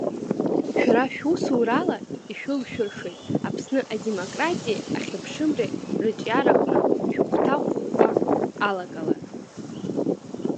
Шәара шәусурала ишәылшәыршеит Аԥсны адемократиеи ахьыԥшымреи рыҿиараҟны шәыхәҭа ӷәӷәа алагалара.